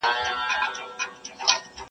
جهاني ډېر به دي غزل په تول د بوسو اخلي-